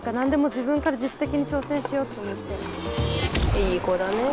いい子だね。